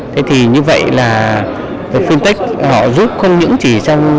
thế thì như vậy là fintech họ giúp không những chỉ trong